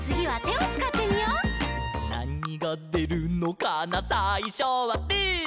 「なにがでるのかなさいしょはぶー」